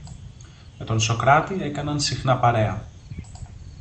Με τον Σωκράτη έκανα συχνά παρέα